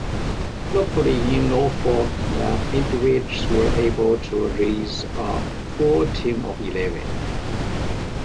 Locally in Norfolk the Edriches were able to raise a full team of eleven.